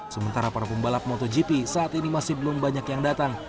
sementara para pembalap motogp saat ini masih belum banyak yang datang